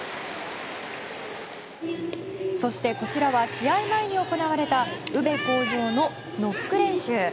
そしてこちらは試合前に行われた宇部鴻城のノック練習。